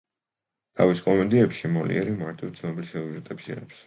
თავის კომედიებში მოლიერი მარტივ, ცნობილ სიუჟეტებს იღებს.